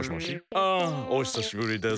あ！おひさしぶりです。